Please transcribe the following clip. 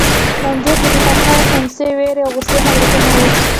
په انځور کې د خوښي، خنثی، وېرې او غوسې حالتونه وو.